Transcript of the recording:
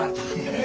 え。